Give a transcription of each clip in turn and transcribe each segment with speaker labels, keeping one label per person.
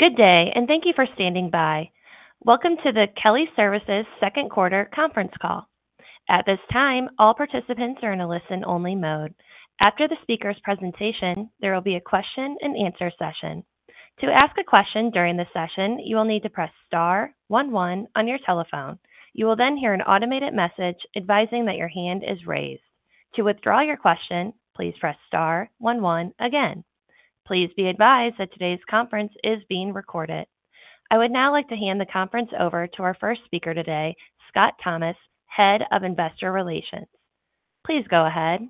Speaker 1: Good day, and thank you for standing by. Welcome to the Kelly Services Second Quarter Conference Call. At this time, all participants are in a listen-only mode. After the speaker's presentation, there will be a question and answer session. To ask a question during this session, you will need to press star one one on your telephone. You will then hear an automated message advising that your hand is raised. To withdraw your question, please press star one one again. Please be advised that today's conference is being recorded. I would now like to hand the conference over to our first speaker today, Scott Thomas, Head of Investor Relations. Please go ahead.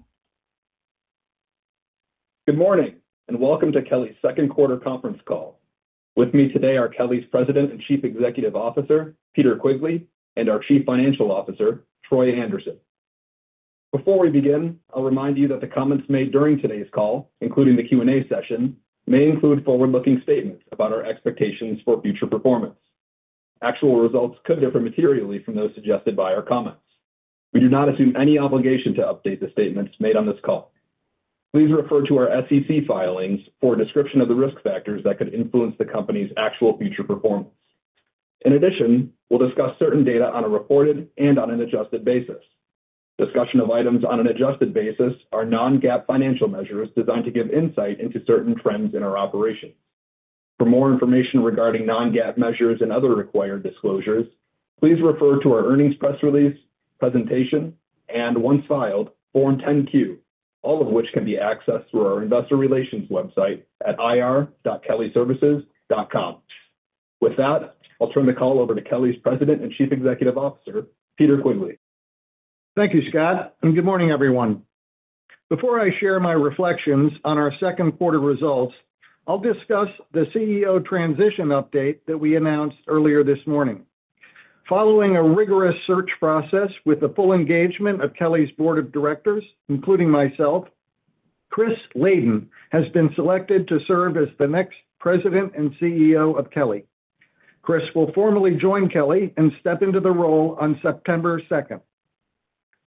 Speaker 2: Good morning, and welcome to Kelly's Second Quarter Conference Call. With me today are Kelly's President and Chief Executive Officer, Peter Quigley, and our Chief Financial Officer, Troy Anderson. Before we begin, I'll remind you that the comments made during today's call, including the Q&A session, may include forward-looking statements about our expectations for future performance. Actual results could differ materially from those suggested by our comments. We do not assume any obligation to update the statements made on this call. Please refer to our SEC filings for a description of the risk factors that could influence the company's actual future performance. In addition, we'll discuss certain data on a reported and on an adjusted basis. Discussion of items on an adjusted basis are non-GAAP financial measures designed to give insight into certain trends in our operations. For more information regarding non-GAAP measures and other required disclosures, please refer to our earnings press release, presentation, and once filed, Form 10-Q, all of which can be accessed through our Investor Relations website at ir.kellyservices.com. With that, I'll turn the call over to Kelly's President and Chief Executive Officer, Peter Quigley.
Speaker 3: Thank you, Scott, and good morning, everyone. Before I share my reflections on our second quarter results, I'll discuss the CEO transition update that we announced earlier this morning. Following a rigorous search process with the full engagement of Kelly's Board of Directors, including myself, Chris Layden has been selected to serve as the next President and CEO of Kelly. Chris will formally join Kelly and step into the role on September 2nd.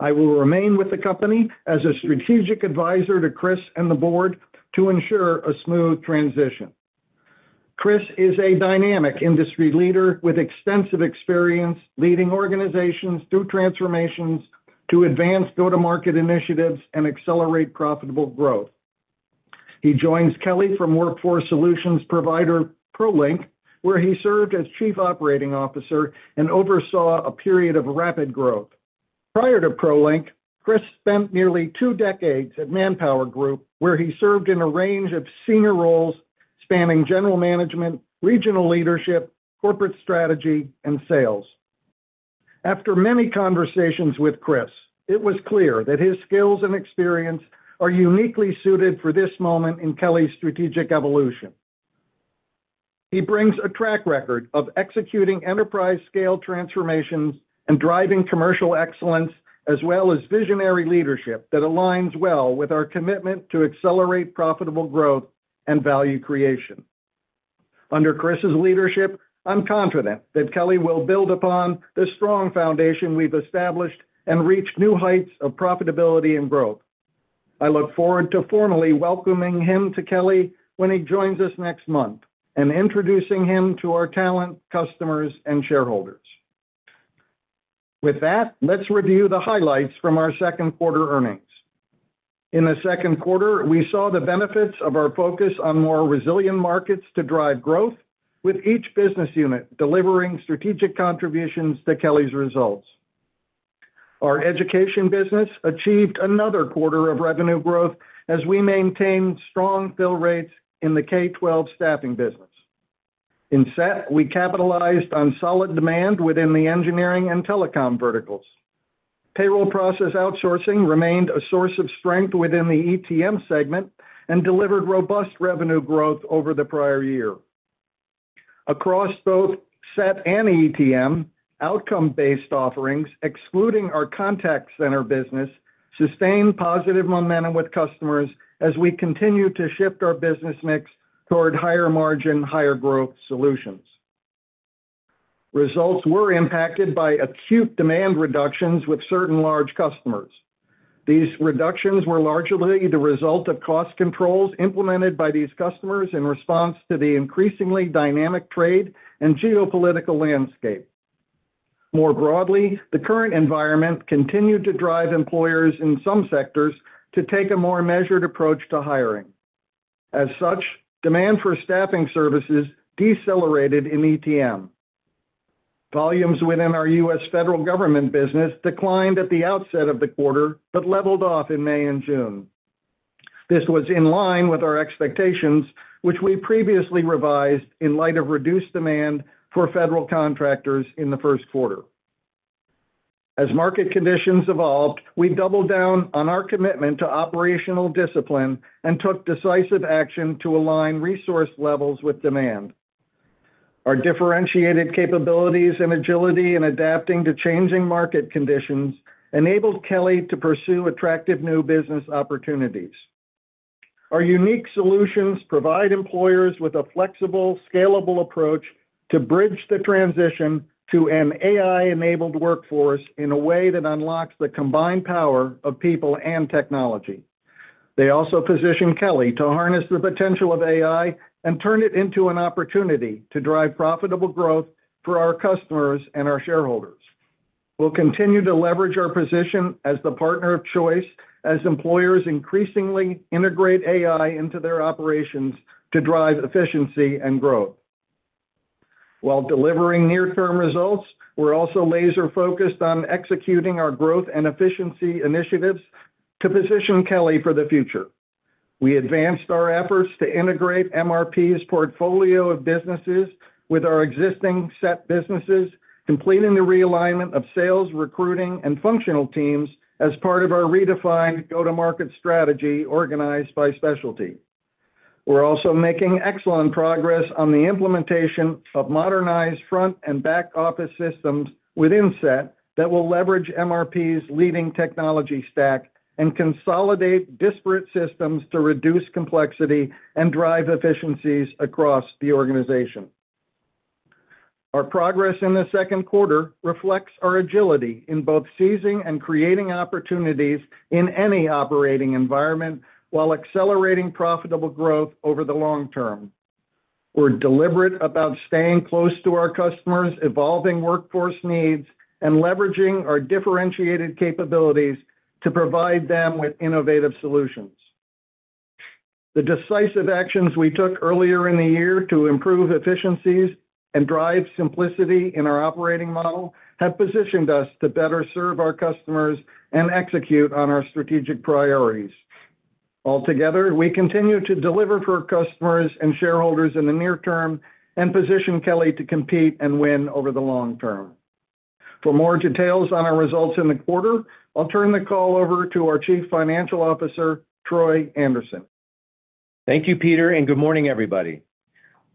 Speaker 3: I will remain with the company as a Strategic Advisor to Chris and the Board to ensure a smooth transition. Chris is a dynamic industry leader with extensive experience leading organizations through transformations to advance go-to-market initiatives and accelerate profitable growth. He joins Kelly from workforce solutions provider Prolink, where he served as Chief Operating Officer and oversaw a period of rapid growth. Prior to Prolink, Chris spent nearly two decades at ManpowerGroup, where he served in a range of senior roles spanning general management, regional leadership, corporate strategy, and sales. After many conversations with Chris, it was clear that his skills and experience are uniquely suited for this moment in Kelly's strategic evolution. He brings a track record of executing enterprise-scale transformations and driving commercial excellence, as well as visionary leadership that aligns well with our commitment to accelerate profitable growth and value creation. Under Chris's leadership, I'm confident that Kelly will build upon the strong foundation we've established and reach new heights of profitability and growth. I look forward to formally welcoming him to Kelly when he joins us next month and introducing him to our talent, customers, and shareholders. With that, let's review the highlights from our second quarter earnings. In the second quarter, we saw the benefits of our focus on more resilient markets to drive growth, with each business unit delivering strategic contributions to Kelly's results. Our Education business achieved another quarter of revenue growth as we maintained strong fill rates in the K-12 staffing business. In SET, we capitalized on solid demand within the engineering and telecom verticals. Payroll process outsourcing remained a source of strength within the ETM segment and delivered robust revenue growth over the prior year. Across both SET and ETM, outcome-based offerings, excluding our contact center business, sustained positive momentum with customers as we continued to shift our business mix toward higher margin, higher growth solutions. Results were impacted by acute demand reductions with certain large customers. These reductions were largely the result of cost controls implemented by these customers in response to the increasingly dynamic trade and geopolitical landscape. More broadly, the current environment continued to drive employers in some sectors to take a more measured approach to hiring. As such, demand for staffing services decelerated in ETM. Volumes within our U.S. federal government business declined at the outset of the quarter but leveled off in May and June. This was in line with our expectations, which we previously revised in light of reduced demand for federal contractors in the first quarter. As market conditions evolved, we doubled down on our commitment to operational discipline and took decisive action to align resource levels with demand. Our differentiated capabilities and agility in adapting to changing market conditions enabled Kelly to pursue attractive new business opportunities. Our unique solutions provide employers with a flexible, scalable approach to bridge the transition to an AI-enabled workforce in a way that unlocks the combined power of people and technology. They also position Kelly to harness the potential of AI and turn it into an opportunity to drive profitable growth for our customers and our shareholders. We'll continue to leverage our position as the partner of choice as employers increasingly integrate AI into their operations to drive efficiency and growth. While delivering near-term results, we're also laser-focused on executing our growth and efficiency initiatives to position Kelly for the future. We advanced our efforts to integrate MRP's portfolio of businesses with our existing SET businesses, completing the realignment of sales, recruiting, and functional teams as part of our redefined go-to-market strategy organized by specialty. We're also making excellent progress on the implementation of modernized front and back office systems within SET that will leverage MRP's leading technology stack and consolidate disparate systems to reduce complexity and drive efficiencies across the organization. Our progress in the second quarter reflects our agility in both seizing and creating opportunities in any operating environment while accelerating profitable growth over the long term. We're deliberate about staying close to our customers' evolving workforce needs and leveraging our differentiated capabilities to provide them with innovative solutions. The decisive actions we took earlier in the year to improve efficiencies and drive simplicity in our operating model have positioned us to better serve our customers and execute on our strategic priorities. Altogether, we continue to deliver for customers and shareholders in the near term and position Kelly to compete and win over the long term. For more details on our results in the quarter, I'll turn the call over to our Chief Financial Officer, Troy Anderson.
Speaker 4: Thank you, Peter, and good morning, everybody.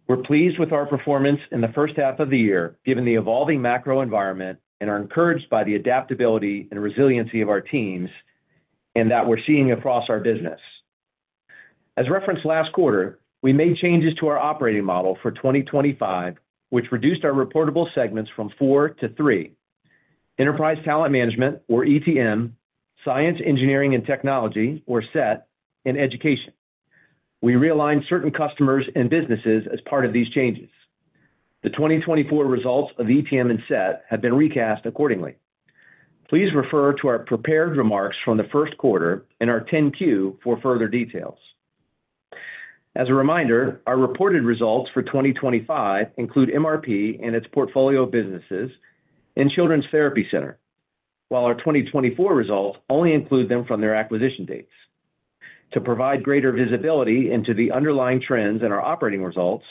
Speaker 4: We're pleased with our performance in the first half of the year, given the evolving macro environment, and are encouraged by the adaptability and resiliency of our teams and that we're seeing across our business. As referenced last quarter, we made changes to our operating model for 2025, which reduced our reportable segments from four to three: Enterprise Talent Management, or ETM, Science, Engineering, and Technology, or SET, and Education. We realigned certain customers and businesses as part of these changes. The 2024 results of ETM and SET have been recast accordingly. Please refer to our prepared remarks from the first quarter and our 10-Q for further details. As a reminder, our reported results for 2025 include MRP and its portfolio of businesses and Children's Therapy Center, while our 2024 results only include them from their acquisition dates. To provide greater visibility into the underlying trends in our operating results,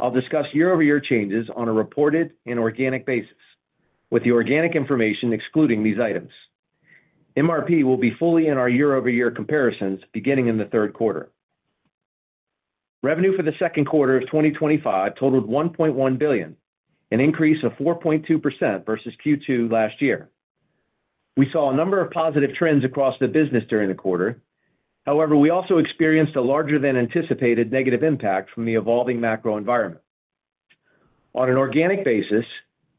Speaker 4: I'll discuss year-over-year changes on a reported and organic basis, with the organic information excluding these items. MRP will be fully in our year-over-year comparisons beginning in the third quarter. Revenue for the second quarter of 2025 totaled $1.1 billion, an increase of 4.2% versus Q2 last year. We saw a number of positive trends across the business during the quarter. However, we also experienced a larger-than-anticipated negative impact from the evolving macro environment. On an organic basis,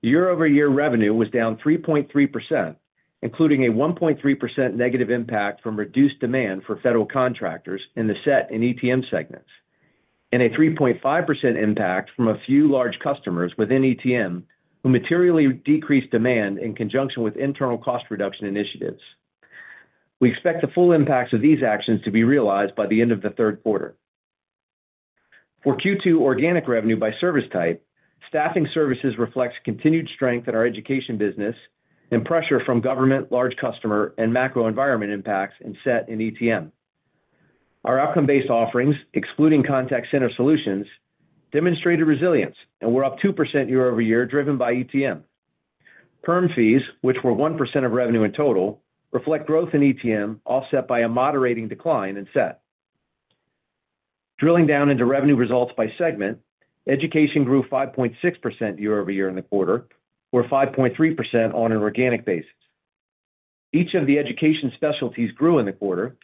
Speaker 4: year-over-year revenue was down 3.3%, including a 1.3% negative impact from reduced demand for federal contractors in the SET and ETM segments, and a 3.5% impact from a few large customers within ETM who materially decreased demand in conjunction with internal cost reduction initiatives. We expect the full impacts of these actions to be realized by the end of the third quarter. For Q2 organic revenue by service type, staffing services reflect continued strength in our Education business and pressure from government, large customer, and macro environment impacts in SET and ETM. Our outcome-based offerings, excluding contact center solutions, demonstrated resilience and were up 2% year-over-year, driven by ETM. Perm fees, which were 1% of revenue in total, reflect growth in ETM offset by a moderating decline in SET. Drilling down into revenue results by segment, Education grew 5.6% year-over-year in the quarter, or 5.3% on an organic basis. Each of the education specialties grew in the quarter,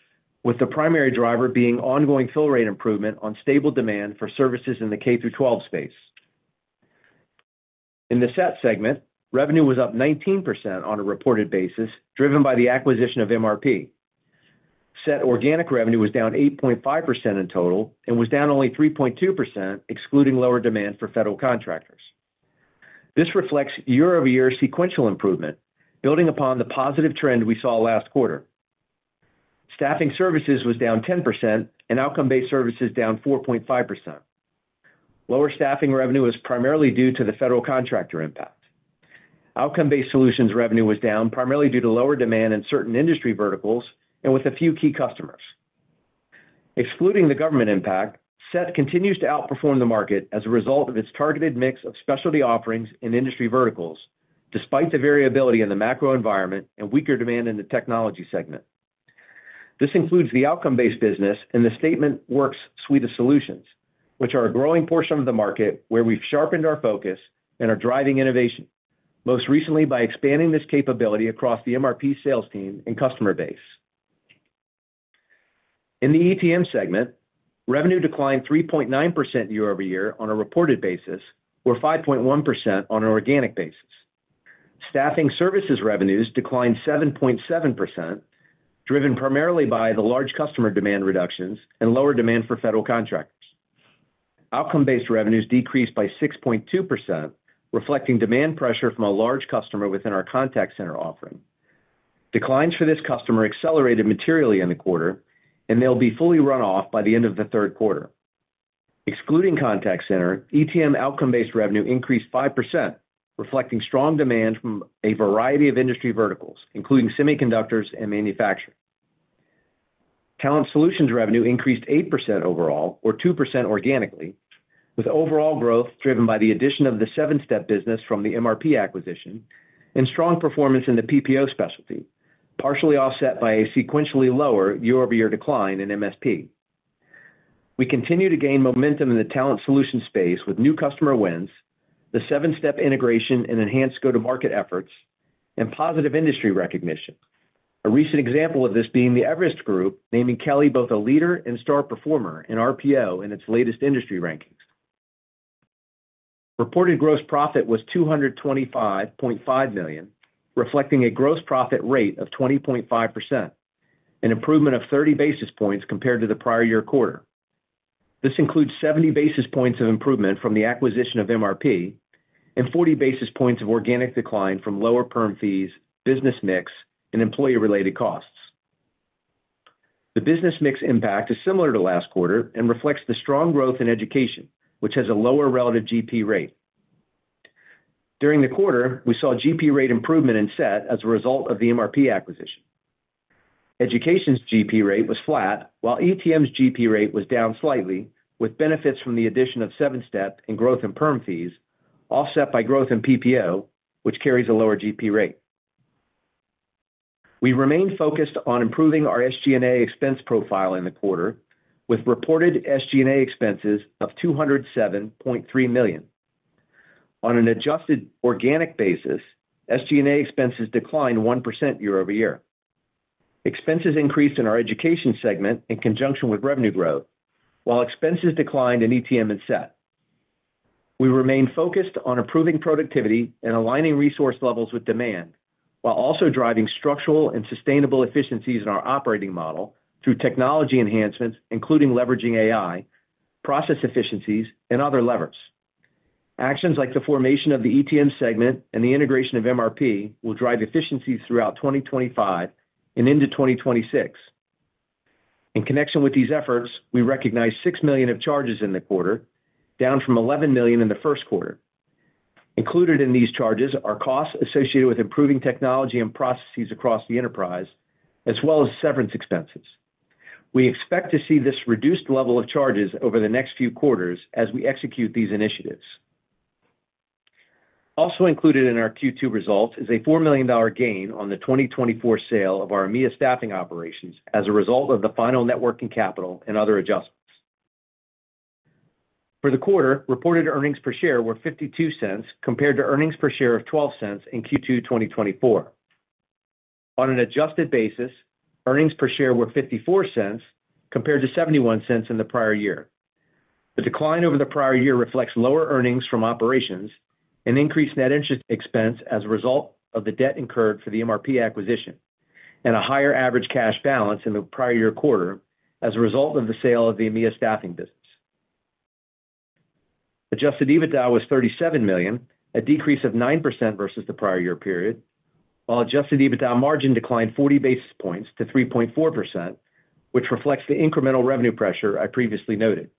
Speaker 4: with the primary driver being ongoing fill rate improvement on stable demand for services in the K-12 space. In the SET segment, revenue was up 19% on a reported basis, driven by the acquisition of MRP. SET organic revenue was down 8.5% in total and was down only 3.2%, excluding lower demand for federal contractors. This reflects year-over-year sequential improvement, building upon the positive trend we saw last quarter. Staffing services was down 10% and outcome-based services down 4.5%. Lower staffing revenue was primarily due to the federal contractor impact. Outcome-based solutions revenue was down primarily due to lower demand in certain industry verticals and with a few key customers. Excluding the government impact, SET continues to outperform the market as a result of its targeted mix of specialty offerings in industry verticals, despite the variability in the macro environment and weaker demand in the technology segment. This includes the outcome-based business and the StatementWorX suite of solutions, which are a growing portion of the market where we've sharpened our focus and are driving innovation, most recently by expanding this capability across the MRP sales team and customer base. In the ETM segment, revenue declined 3.9% year-over-year on a reported basis, or 5.1% on an organic basis. Staffing services revenues declined 7.7%, driven primarily by the large customer demand reductions and lower demand for federal contractors. Outcome-based revenues decreased by 6.2%, reflecting demand pressure from a large customer within our contact center offering. Declines for this customer accelerated materially in the quarter, and they'll be fully run off by the end of the third quarter. Excluding contact center, ETM outcome-based revenue increased 5%, reflecting strong demand from a variety of industry verticals, including semiconductors and manufacturing. Talent solutions revenue increased 8% overall, or 2% organically, with overall growth driven by the addition of the SevenStep business from the MRP acquisition and strong performance in the PPO specialty, partially offset by a sequentially lower year-over-year decline in MSP. We continue to gain momentum in the talent solution space with new customer wins, the SevenStep integration and enhanced go-to-market efforts, and positive industry recognition, a recent example of this being the Everest Group naming Kelly Services both a Leader and Star Performer in RPO in its latest industry rankings. Reported gross profit was $225.5 million, reflecting a gross profit rate of 20.5%, an improvement of 30 basis points compared to the prior year quarter. This includes 70 basis points of improvement from the acquisition of MRP and 40 basis points of organic decline from lower perm fees, business mix, and employee-related costs. The business mix impact is similar to last quarter and reflects the strong growth in Education, which has a lower relative GP rate. During the quarter, we saw GP rate improvement in SET as a result of the MRP acquisition. Education's GP rate was flat, while ETM's GP rate was down slightly, with benefits from the addition of SevenSteps and growth in perm fees, offset by growth in PPO, which carries a lower GP rate. We remain focused on improving our SG&A expense profile in the quarter, with reported SG&A expenses of $207.3 million. On an adjusted organic basis, SG&A expenses declined 1% year-over-year. Expenses increased in our Education segment in conjunction with revenue growth, while expenses declined in ETM and SET. We remain focused on improving productivity and aligning resource levels with demand, while also driving structural and sustainable efficiencies in our operating model through technology enhancements, including leveraging AI, process efficiencies, and other levers. Actions like the formation of the ETM and the integration of MRP will drive efficiencies throughout 2025 and into 2026. In connection with these efforts, we recognized $6 million of charges in the quarter, down from $11 million in the first quarter. Included in these charges are costs associated with improving technology and processes across the enterprise, as well as severance expenses. We expect to see this reduced level of charges over the next few quarters as we execute these initiatives. Also included in our Q2 results is a $4 million gain on the 2024 sale of our EMEA staffing operations as a result of the final net working capital and other adjustments. For the quarter, reported earnings per share were $0.52 compared to earnings per share of $0.12 in Q2 2024. On an adjusted basis, earnings per share were $0.54 compared to $0.71 in the prior year. The decline over the prior year reflects lower earnings from operations and increased net interest expense as a result of the debt incurred for the MRP acquisition and a higher average cash balance in the prior year quarter as a result of the sale of the EMEA staffing business. Adjusted EBITDA was $37 million, a decrease of 9% versus the prior year period, while adjusted EBITDA margin declined 40 basis points to 3.4%, which reflects the incremental revenue pressure I previously noted.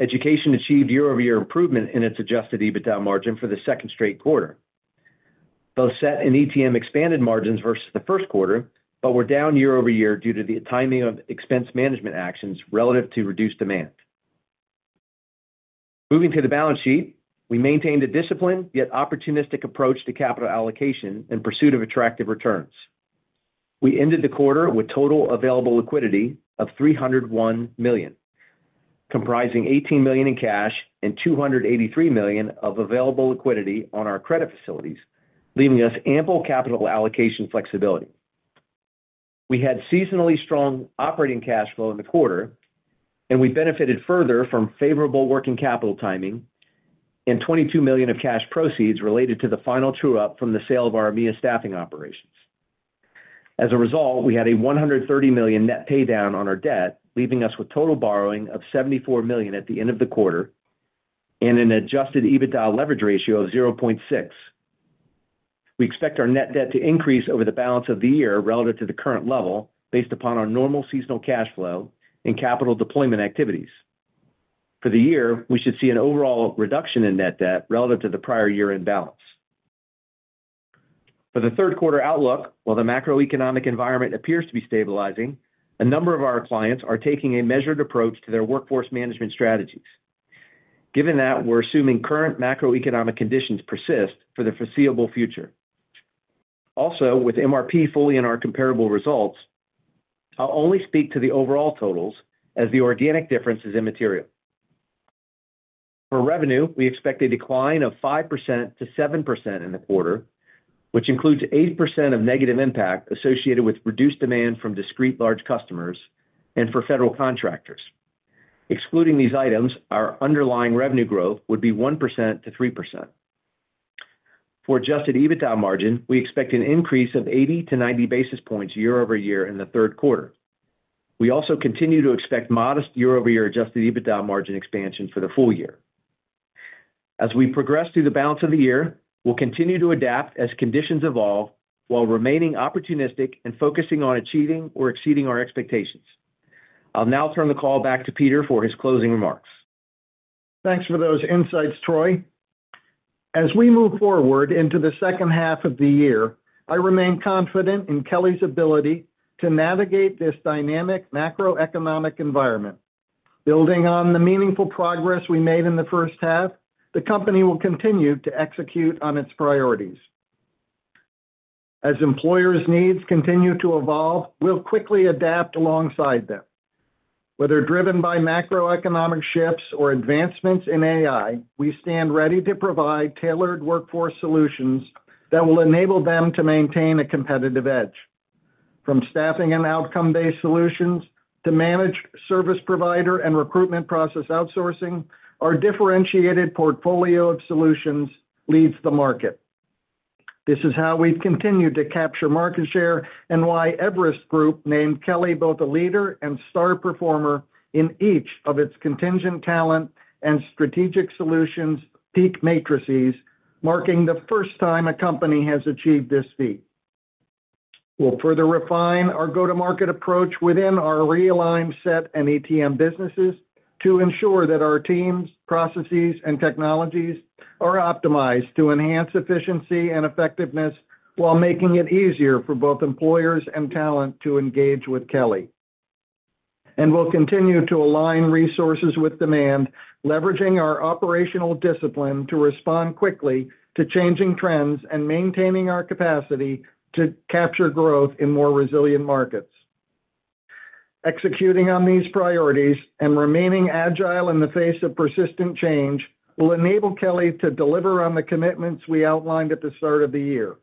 Speaker 4: Education achieved year-over-year improvement in its adjusted EBITDA margin for the second straight quarter. Both SET and ETM expanded margins versus the first quarter, but were down year-over-year due to the timing of expense management actions relative to reduced demand. Moving to the balance sheet, we maintained a disciplined yet opportunistic approach to capital allocation and pursuit of attractive returns. We ended the quarter with total available liquidity of $301 million, comprising $18 million in cash and $283 million of available liquidity on our credit facilities, leaving us ample capital allocation flexibility. We had seasonally strong operating cash flow in the quarter, and we benefited further from favorable working capital timing and $22 million of cash proceeds related to the final true-up from the sale of our EMEA staffing operations. As a result, we had a $130 million net paydown on our debt, leaving us with total borrowing of $74 million at the end of the quarter and an adjusted EBITDA leverage ratio of 0.6. We expect our net debt to increase over the balance of the year relative to the current level based upon our normal seasonal cash flow and capital deployment activities. For the year, we should see an overall reduction in net debt relative to the prior year in balance. For the third quarter outlook, while the macroeconomic environment appears to be stabilizing, a number of our clients are taking a measured approach to their workforce management strategies. Given that, we're assuming current macroeconomic conditions persist for the foreseeable future. Also, with MRP fully in our comparable results, I'll only speak to the overall totals as the organic difference is immaterial. For revenue, we expect a decline of 5%-7% in the quarter, which includes 80% of negative impact associated with reduced demand from discrete large customers and for federal contractors. Excluding these items, our underlying revenue growth would be 1%-3%. For adjusted EBITDA margin, we expect an increase of 80 basis points-90 basis points year-over-year in the third quarter. We also continue to expect modest year-over-year adjusted EBITDA margin expansion for the full year. As we progress through the balance of the year, we'll continue to adapt as conditions evolve while remaining opportunistic and focusing on achieving or exceeding our expectations. I'll now turn the call back to Peter for his closing remarks.
Speaker 3: Thanks for those insights, Troy. As we move forward into the second half of the year, I remain confident in Kelly's ability to navigate this dynamic macroeconomic environment. Building on the meaningful progress we made in the first half, the company will continue to execute on its priorities. As employers' needs continue to evolve, we'll quickly adapt alongside them. Whether driven by macroeconomic shifts or advancements in AI, we stand ready to provide tailored workforce solutions that will enable them to maintain a competitive edge. From staffing and outcome-based solutions to managed service provider and recruitment process outsourcing, our differentiated portfolio of solutions leads the market. This is how we've continued to capture market share and why Everest Group named Kelly both a Leader and Star Performer in each of its Contingent Talent and Strategic Solutions PEAK Matrices, marking the first time a company has achieved this feat. We will further refine our go-to-market approach within our realigned SET and ETM businesses to ensure that our teams, processes, and technologies are optimized to enhance efficiency and effectiveness while making it easier for both employers and talent to engage with Kelly. We will continue to align resources with demand, leveraging our operational discipline to respond quickly to changing trends and maintaining our capacity to capture growth in more resilient markets. Executing on these priorities and remaining agile in the face of persistent change will enable Kelly to deliver on the commitments we outlined at the start of the year.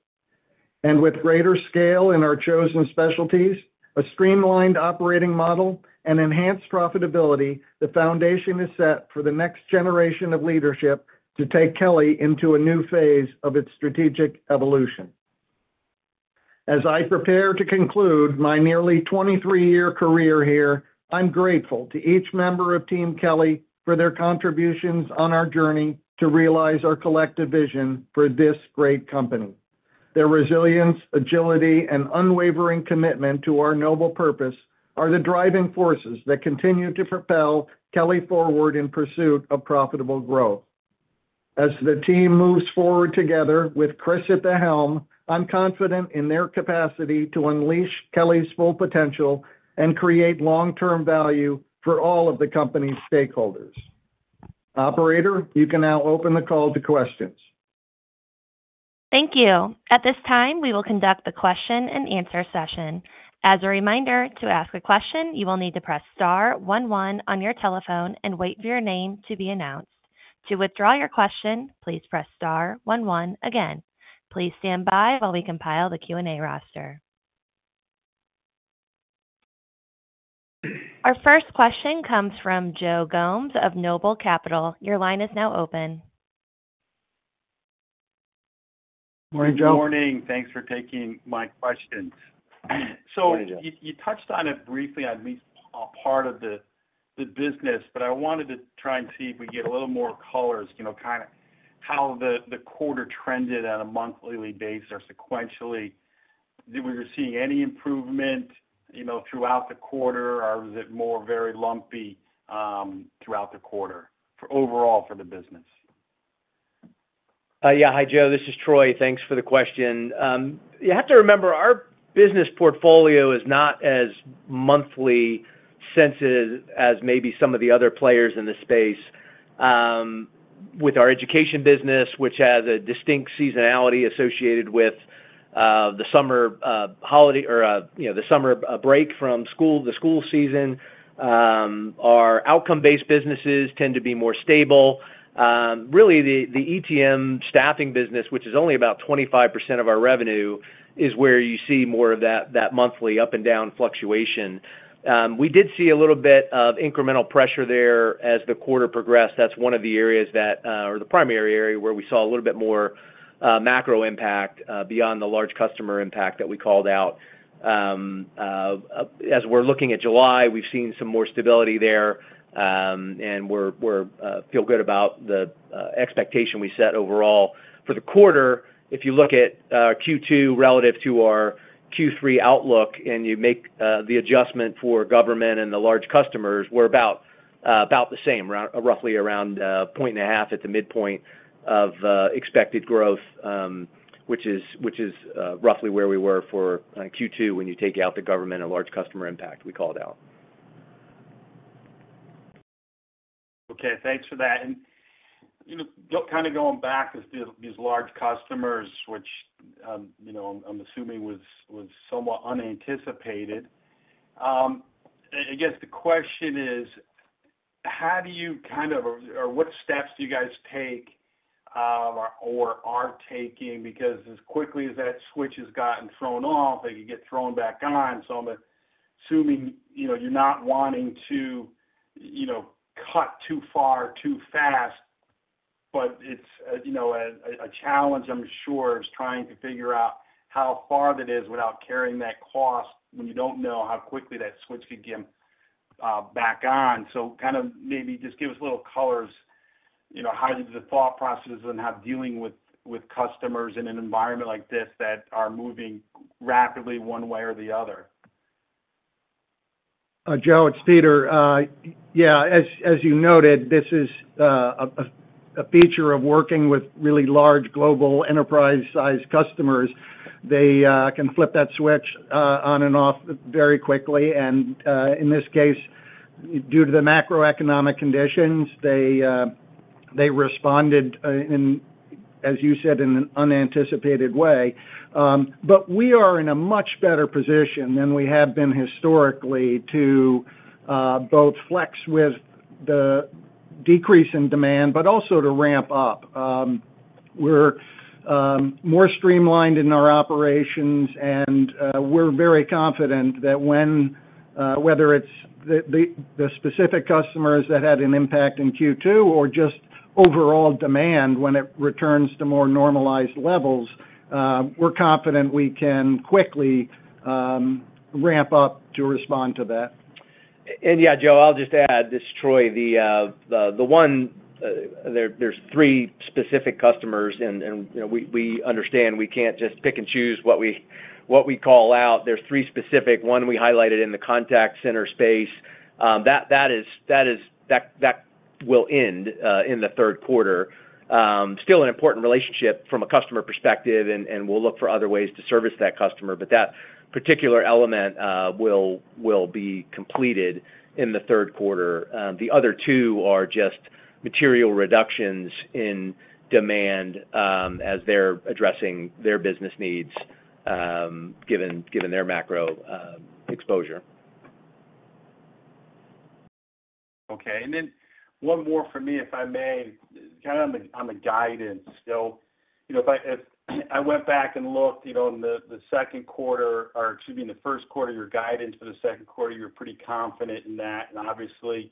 Speaker 3: And with greater scale in our chosen specialties, a streamlined operating model, and enhanced profitability, the foundation is set for the next generation of leadership to take Kelly into a new phase of its strategic evolution. As I prepare to conclude my nearly 23-year career here, I'm grateful to each member of Team Kelly for their contributions on our journey to realize our collective vision for this great company. Their resilience, agility, and unwavering commitment to our noble purpose are the driving forces that continue to propel Kelly forward in pursuit of profitable growth. As the team moves forward together with Chris at the helm, I'm confident in their capacity to unleash Kelly's full potential and create long-term value for all of the company's stakeholders. Operator, you can now open the call to questions.
Speaker 1: Thank you. At this time, we will conduct the question and answer session. As a reminder, to ask a question, you will need to press star one one on your telephone and wait for your name to be announced. To withdraw your question, please press star one one again. Please stand by while we compile the Q&A roster. Our first question comes from Joe Gomes of Noble Capital. Your line is now open.
Speaker 3: Morning, Joe.
Speaker 5: Morning. Thanks for taking my questions. You touched on it briefly on at least a part of the business, but I wanted to try and see if we get a little more color, you know, kind of how the quarter trended on a monthly basis or sequentially. Were you seeing any improvement throughout the quarter, or was it more very lumpy throughout the quarter overall for the business?
Speaker 4: Yeah. Hi, Joe. This is Troy. Thanks for the question. You have to remember our business portfolio is not as monthly sensitive as maybe some of the other players in the space. With our Education business, which has a distinct seasonality associated with the summer, holiday, or the summer break from school, the school season, our outcome-based businesses tend to be more stable. Really, the ETM staffing business, which is only about 25% of our revenue, is where you see more of that monthly up and down fluctuation. We did see a little bit of incremental pressure there as the quarter progressed. That's one of the areas, or the primary area, where we saw a little bit more macro impact, beyond the large customer impact that we called out. As we're looking at July, we've seen some more stability there, and we feel good about the expectation we set overall. For the quarter, if you look at our Q2 relative to our Q3 outlook and you make the adjustment for government and the large customers, we're about the same, roughly around 0.5% at the midpoint of expected growth, which is roughly where we were for Q2 when you take out the government and large customer impact we called out.
Speaker 5: Okay. Thanks for that. Kind of going back to these large customers, which I'm assuming was somewhat unanticipated, I guess the question is, how do you kind of, or what steps do you guys take, or are taking? As quickly as that switch has gotten thrown off, it could get thrown back on. I'm assuming you're not wanting to cut too far too fast. It's a challenge, I'm sure, trying to figure out how far that is without carrying that cost when you don't know how quickly that switch could get back on. Maybe just give us a little color, you know, how the thought process is and how dealing with customers in an environment like this that are moving rapidly one way or the other.
Speaker 3: Joe, it's Peter. As you noted, this is a feature of working with really large global enterprise-sized customers. They can flip that switch on and off very quickly. In this case, due to the macroeconomic conditions, they responded, as you said, in an unanticipated way. We are in a much better position than we have been historically to both flex with the decrease in demand, but also to ramp up. We're more streamlined in our operations, and we're very confident that when, whether it's the specific customers that had an impact in Q2 or just overall demand, when it returns to more normalized levels, we're confident we can quickly ramp up to respond to that.
Speaker 4: [guess-Joe, I'll just add this. Troy,] there's three specific customers, and we understand we can't just pick and choose what we call out. There's three specific. One we highlighted in the contact center space. That is that will end in the third quarter. Still an important relationship from a customer perspective, and we'll look for other ways to service that customer. But that particular element will be completed in the third quarter. The other two are just material reductions in demand, as they're addressing their business needs, given their macro exposure.
Speaker 5: Okay. One more for me, if I may, kind of on the guidance still. If I went back and [guess-look in the second quarter I mean] looked in the first quarter, your guidance for the second quarter, you were pretty confident in that. And obviously,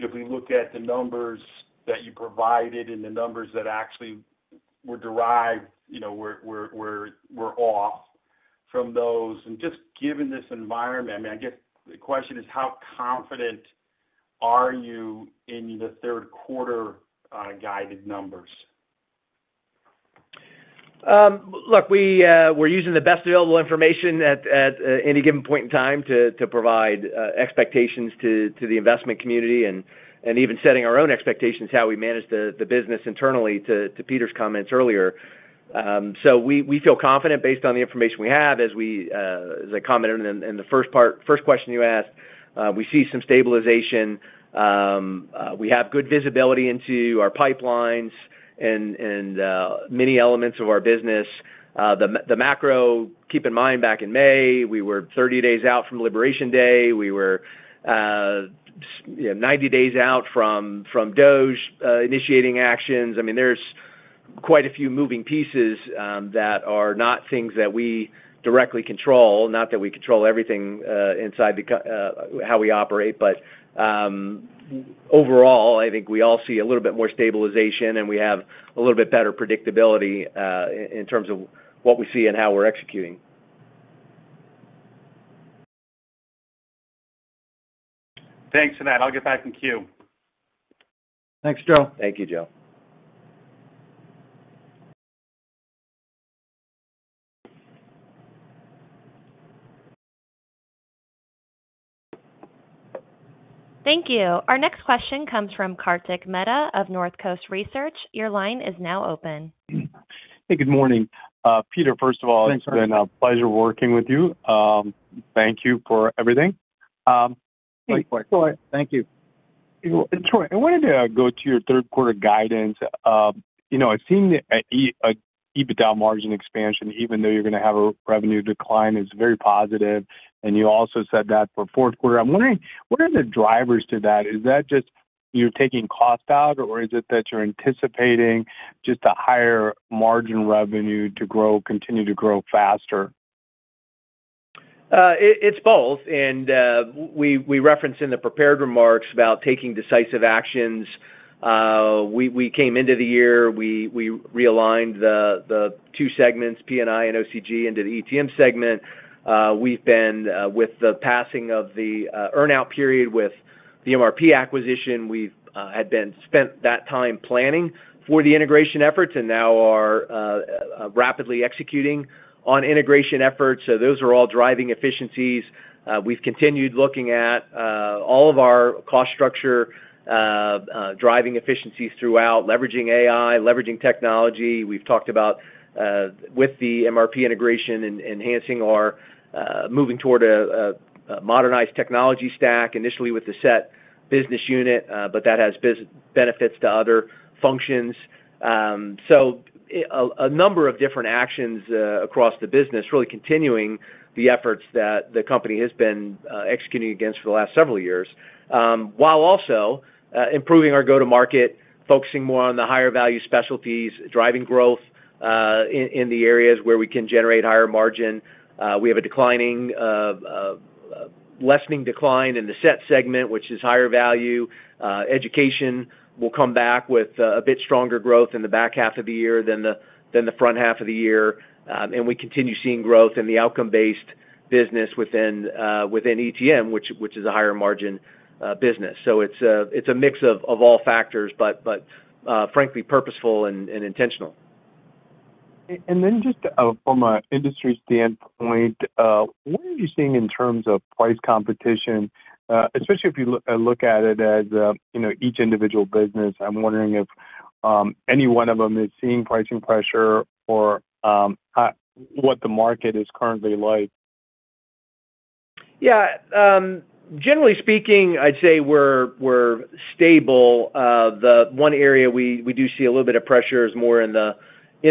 Speaker 5: if we look at the numbers that you provided and the numbers that actually were derived, we were off from those. Just given this environment, I guess the question is, how confident are you in the third quarter guided numbers?
Speaker 4: Look, we're using the best available information at any given point in time to provide expectations to the investment community and even setting our own expectations how we manage the business internally to Peter's comments earlier. So we feel confident based on the information we have. As I commented in the first part, first question you asked, we see some stabilization. We have good visibility into our pipelines and many elements of our business. The macro, keep in mind, back in May, we were 30 days out from the Liberation Day. We were 90 days out from DOGE, initiating actions. I mean, there's quite a few moving pieces that are not things that we directly control. Not that we control everything inside how we operate. But overall, I think we all see a little bit more stabilization, and we have a little bit better predictability in terms of what we see and how we're executing.
Speaker 5: Thanks for that. I'll get back in queue.
Speaker 3: Thanks, Joe.
Speaker 4: Thank you, Joe.
Speaker 1: Thank you. Our next question comes from Kartik Mehta of Northcoast Research. Your line is now open.
Speaker 6: Hey, good morning. Peter, first of all, it's been a pleasure working with you. Thank you for everything.
Speaker 3: [crosstalk-Thanks, Troy. Thank you.]
Speaker 6: Troy, I wanted to go to your third quarter guidance. I've seen the EBITDA margin expansion, even though you're going to have a revenue decline, is very positive. You also said that for the fourth quarter. I'm wondering, what are the drivers to that? Is that just you're taking cost out, or is it that you're anticipating just a higher margin revenue to grow, continue to grow faster?
Speaker 4: It's both. And we referenced in the prepared remarks about taking decisive actions. We came into the year, we realigned the two segments, P&I and OCG, into the ETM segment. With the passing of the earnout period with the MRP acquisition, we had spent that time planning for the integration efforts and now are rapidly executing on integration efforts. Those are all driving efficiencies. We've continued looking at all of our cost structure, driving efficiencies throughout, leveraging AI, leveraging technology. We've talked about, with the MRP integration, enhancing our moving toward a modernized technology stack, initially with the SET business unit, but that has benefits to other functions. So a number of different actions across the business really continuing the efforts that the company has been executing against for the last several years, while also improving our go-to-market, focusing more on the higher-value specialties, driving growth in the areas where we can generate higher margin. We have a declining, lessening decline in the SET segment, which is higher value. Education will come back with a bit stronger growth in the back half of the year than the front half of the year. We continue seeing growth in the outcome-based business within ETM, which is a higher-margin business. It's a mix of all factors, but frankly, purposeful and intentional.
Speaker 6: And then just from an industry standpoint, what are you seeing in terms of price competition, especially if you look at it as each individual business? I'm wondering if any one of them is seeing pricing pressure or what the market is currently like.
Speaker 4: Yeah. Generally speaking, I'd say we're stable. The one area we do see a little bit of pressure is more in the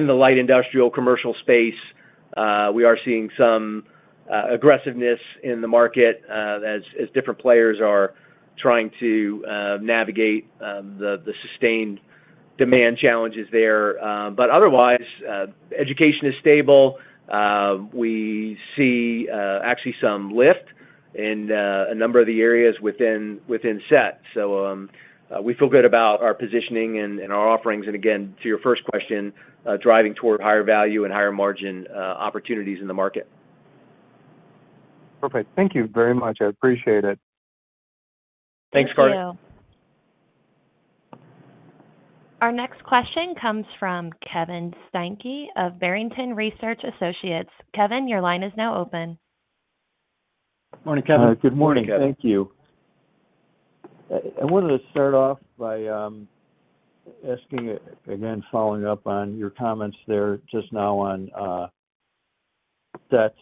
Speaker 4: light industrial commercial space. We are seeing some aggressiveness in the market as different players are trying to navigate the sustained demand challenges there. Otherwise, education is stable. We see actually some lift in a number of the areas within SET. So we feel good about our positioning and our offerings. Again, to your first question, driving toward higher value and higher margin opportunities in the market.
Speaker 6: Perfect. Thank you very much. I appreciate it.
Speaker 4: Thanks, Kartik.
Speaker 1: Thank you. Our next question comes from Kevin Steinke of Barrington Research Associates. Kevin, your line is now open.
Speaker 3: Morning, Kevin.
Speaker 4: [crosstalk-Good morning. Thank you.]
Speaker 7: I wanted to start off by asking, again, following up on your comments there just now that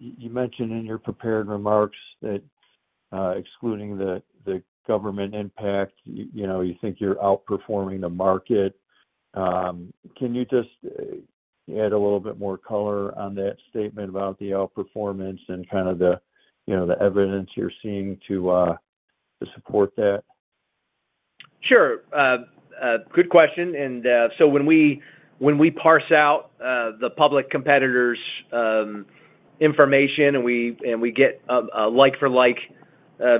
Speaker 7: you mentioned in your prepared remarks that excluding the government impact, you think you're outperforming the market. Can you just add a little bit more color on that statement about the outperformance and kind of the evidence you're seeing to support that?
Speaker 4: Good question. When we parse out the public competitor's information and we get a like-for-like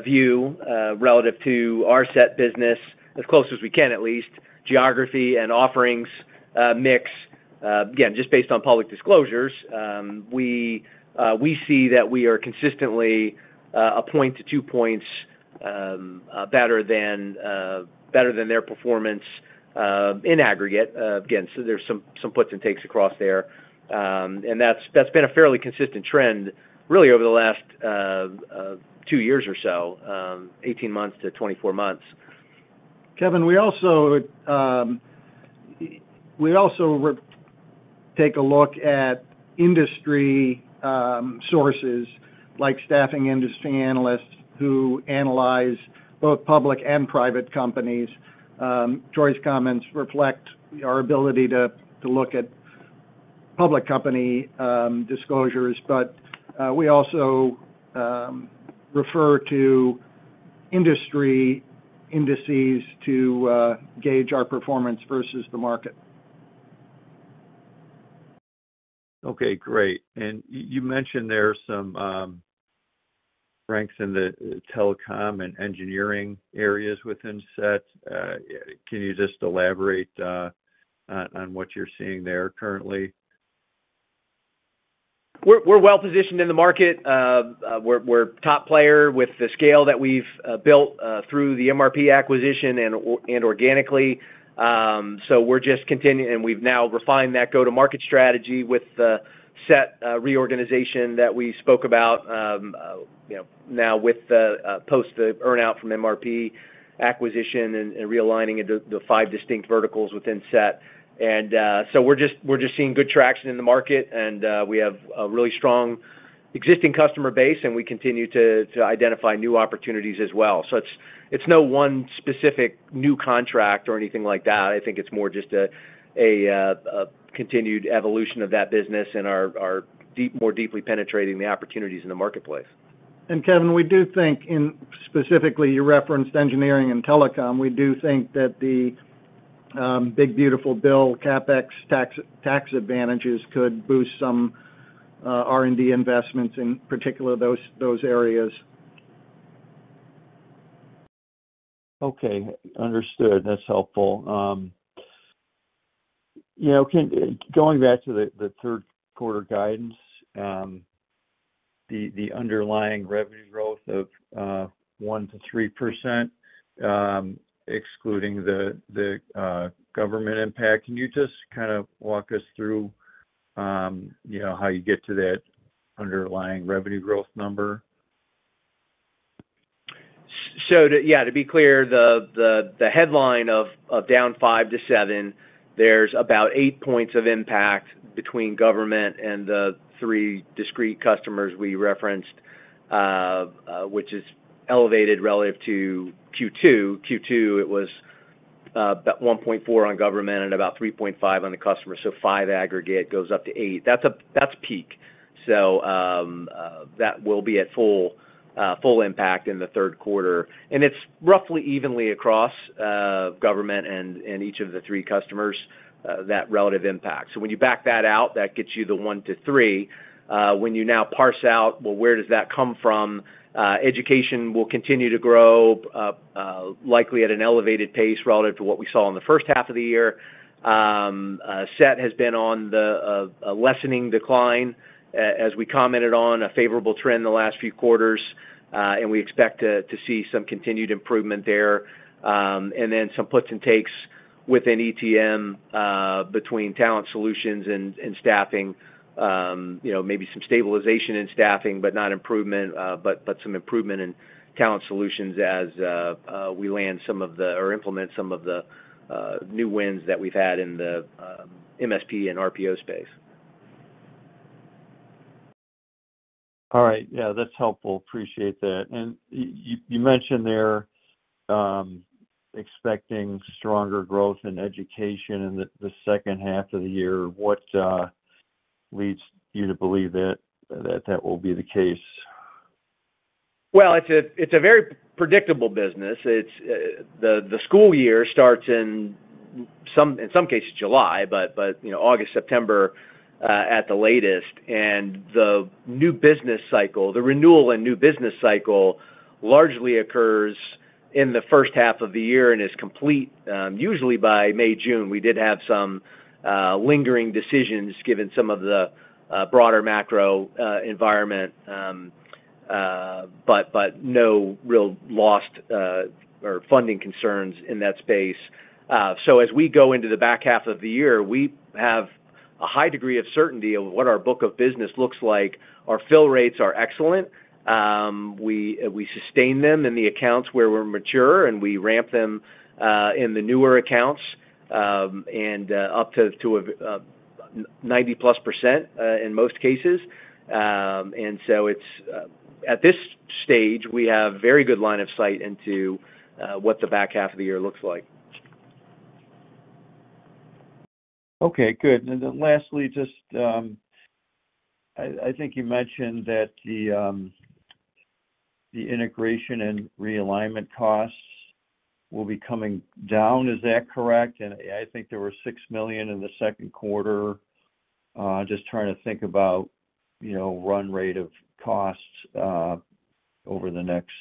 Speaker 4: view relative to our SET business as close as we can, at least, geography and offerings mix, just based on public disclosures, we see that we are consistently a point to two points better than their performance in aggregate. There are some puts and takes across there, and that's been a fairly consistent trend, really, over the last two years or so, 18 months-24 months.
Speaker 3: Kevin, we also take a look at industry sources like Staffing Industry Analysts who analyze both public and private companies. Troy's comments reflect our ability to look at public company disclosures, but we also refer to industry indices to gauge our performance versus the market.
Speaker 7: Great. And you mentioned there are some ranks in the telecom and engineering areas within SET. Can you just elaborate on what you're seeing there currently?
Speaker 4: We're well-positioned in the market. We're a top player with the scale that we've built through the MRP acquisition and organically. So we are just, we have now refined that go-to-market strategy with the SET reorganization that we spoke about, now with the post-earnout from the MRP acquisition and realigning into the five distinct verticals within SET. We're seeing good traction in the market, and we have a really strong existing customer base. We continue to identify new opportunities as well. It's no one specific new contract or anything like that. I think it's more just a continued evolution of that business and our more deeply penetrating the opportunities in the marketplace.
Speaker 3: And Kevin, we do think, and specifically, you referenced engineering and telecom. We do think that the big, beautiful bill CapEx tax advantages could boost some R&D investments in particular those areas.
Speaker 7: Okay. Understood. That's helpful. Going back to the third quarter guidance, the underlying revenue growth of 1%-3%, excluding the government impact, can you just walk us through how you get to that underlying revenue growth number?
Speaker 4: To be clear, the headline of down 5%-7%, there's about 8 points of impact between government and the three discrete customers we referenced, which is elevated relative to Q2. Q2, it was about 1.4% on government and about 3.5% on the customer. So 5% aggregate goes up to 8%. That's peak. So that will be at full impact in the third quarter. It's roughly evenly across government and each of the three customers, that relative impact. So when you back that out, that gets you the 1%-3%. When you now parse out, where does that come from? Education will continue to grow likely at an elevated pace relative to what we saw in the first half of the year. SET has been on the lessening decline, as we commented on, a favorable trend in the last few quarters, and we expect to see some continued improvement there. And then some puts and takes within ETM between talent solutions and staffing. Maybe some stabilization in staffing, but not improvement, but some improvement in talent solutions as we land some of the or implement some of the new wins that we've had in the MSP and RPO space.
Speaker 7: All right. Yeah, that's helpful. Appreciate that. You mentioned they're expecting stronger growth in education in the second half of the year. What leads you to believe that that will be the case?
Speaker 4: It is a very predictable business. The school year starts in some cases in July, but you know, August, September at the latest. And the new business cycle, the renewal and new business cycle largely occurs in the first half of the year and is complete usually by May, June. We did have some lingering decisions given some of the broader macro environment, but no real lost or funding concerns in that space. As we go into the back half of the year, we have a high degree of certainty of what our book of business looks like. Our fill rates are excellent. We sustain them in the accounts where we're mature, and we ramp them in the newer accounts and up to 90+% in most cases. At this stage, we have a very good line of sight into what the back half of the year looks like.
Speaker 7: Okay. Good. Lastly, I think you mentioned that the integration and realignment costs will be coming down. Is that correct? I think there were $6 million in the second quarter. I'm just trying to think about, you know, run rate of costs over the next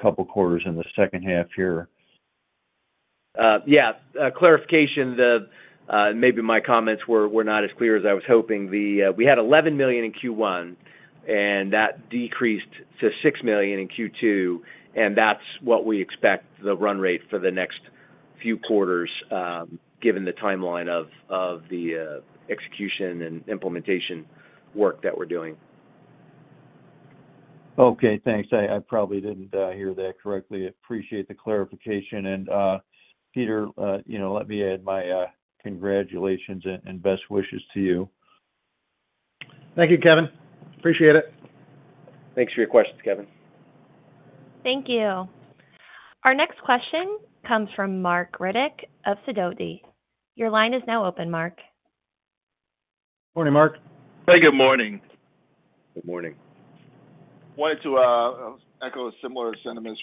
Speaker 7: couple of quarters in the second half here.
Speaker 4: Yeah. Clarification, maybe my comments were not as clear as I was hoping. We had $11 million in Q1, and that decreased to $6 million in Q2. That's what we expect the run rate for the next few quarters, given the timeline of the execution and implementation work that we're doing.
Speaker 7: Okay. Thanks. I probably didn't hear that correctly. Appreciate the clarification. And Peter, you know, let me add my congratulations and best wishes to you.
Speaker 3: Thank you, Kevin. Appreciate it.
Speaker 4: Thanks for your questions, Kevin.
Speaker 1: Thank you. Our next question comes from Marc Riddick of Sidoti. Your line is now open, Marc.
Speaker 3: Morning, Marc.
Speaker 8: Hey, good morning.
Speaker 4: Good morning.
Speaker 8: Wanted to echo similar sentiments.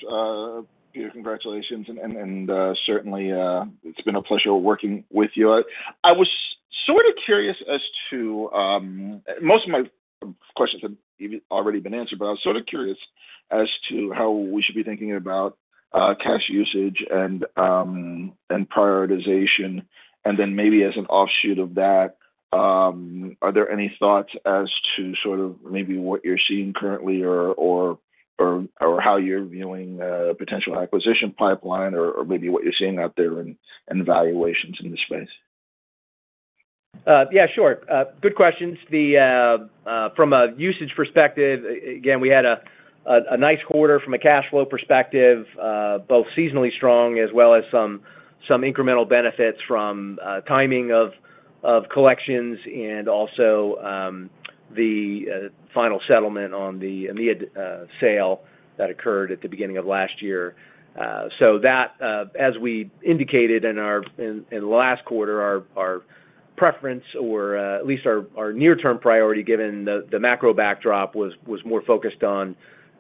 Speaker 8: Peter, congratulations. Certainly, it's been a pleasure working with you. I was sort of curious as to most of my questions have already been answered, but I was sort of curious as to how we should be thinking about cash usage and prioritization. Maybe as an offshoot of that, are there any thoughts as to maybe what you're seeing currently or how you're viewing a potential acquisition pipeline or maybe what you're seeing out there in evaluations in this space?
Speaker 4: Yeah, sure. Good questions. From a usage perspective, again, we had a nice quarter from a cash flow perspective, both seasonally strong as well as some incremental benefits from timing of collections and also the final settlement on the [guess-EMEA] sale that occurred at the beginning of last year. As we indicated in the last quarter, our preference or at least our near-term priority, given the macro backdrop, was more focused on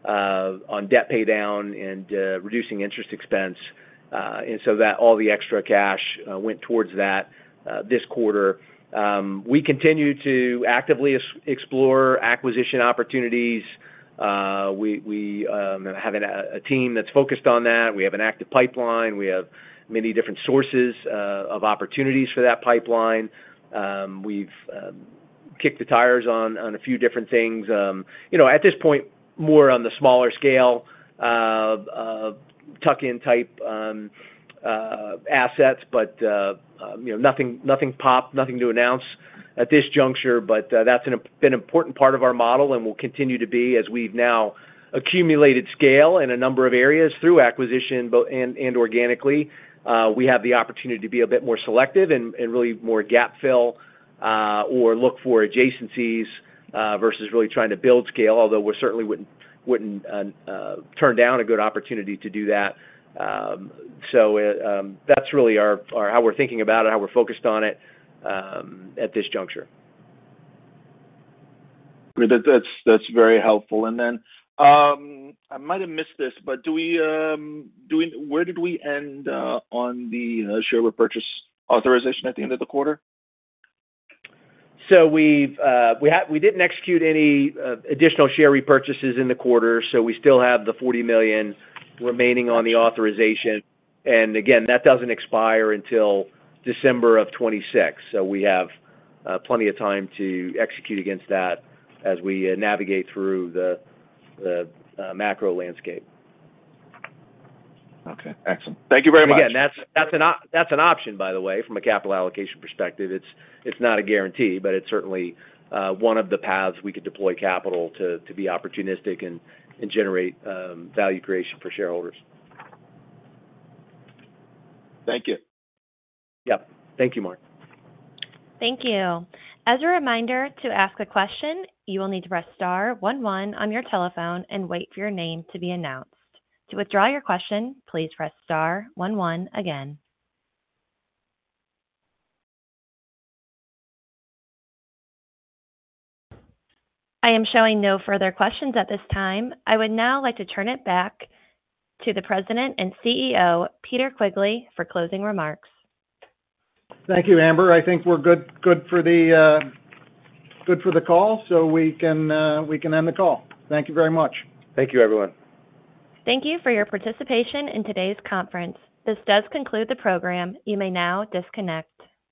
Speaker 4: debt paydown and reducing interest expense. All the extra cash went towards that this quarter. We continue to actively explore acquisition opportunities. We have a team that's focused on that. We have an active pipeline. We have many different sources of opportunities for that pipeline. We've kicked the tires on a few different things. At this point, more on the smaller-scale tuck-in type assets, but nothing popped, nothing to announce at this juncture. That's been an important part of our model and will continue to be as we've now accumulated scale in a number of areas through acquisition and organically. We have the opportunity to be a bit more selective and really more gap-fill or look for adjacencies versus really trying to build scale, although we certainly wouldn't turn down a good opportunity to do that. That's really how we're thinking about it, how we're focused on it at this juncture.
Speaker 8: I mean, that's very helpful. I might have missed this, but do we, where did we end on the share repurchase authorization at the end of the quarter?
Speaker 4: So, we didn't execute any additional share repurchases in the quarter. So, we still have the $40 million remaining on the authorization. That doesn't expire until December of 2026. So, we have plenty of time to execute against that as we navigate through the macro landscape.
Speaker 8: Okay. Excellent. Thank you very much.
Speaker 4: Again, that's an option, by the way, from a capital allocation perspective. It's not a guarantee, but it's certainly one of the paths we could deploy capital to be opportunistic and generate value creation for shareholders.
Speaker 8: Thank you.
Speaker 4: Yep. Thank you, Marc.
Speaker 1: Thank you. As a reminder, to ask a question, you will need to press star one one on your telephone and wait for your name to be announced. To withdraw your question, please press star one one again. I am showing no further questions at this time. I would now like to turn it back to the President and CEO, Peter Quigley, for closing remarks.
Speaker 3: Thank you, Amber. I think we're good for the call, so we can end the call. Thank you very much.
Speaker 4: Thank you, everyone.
Speaker 1: Thank you for your participation in today's conference. This does conclude the program. You may now disconnect.